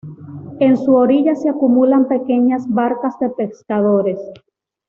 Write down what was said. En su orilla se acumulan pequeñas barcas de pescadores.